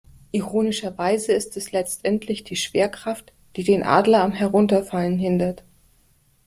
Ironischerweise ist es letztendlich die Schwerkraft, die den Adler am Herunterfallen hindert.